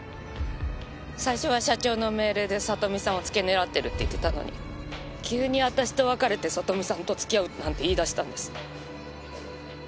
最初は社長の命令で里美さんを付け狙ってるって言ってたのに急に私と別れて里美さんと付き合うなんて言い出したんです。